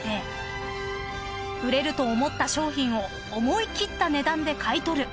［売れると思った商品を思い切った値段で買い取る］